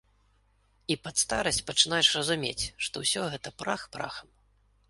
І пад старасць пачынаеш разумець, што ўсё гэта прах прахам.